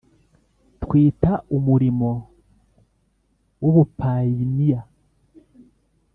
Twita umurimo w ubupayiniya